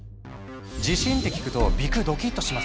「地震！」って聞くと「ビクッ！」「ドキッ！」としません？